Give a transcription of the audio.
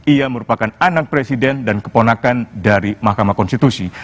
ia merupakan anak presiden dan keponakan dari mahkamah konstitusi